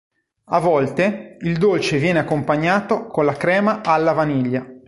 A volte, il dolce viene accompagnato con la crema alla vaniglia.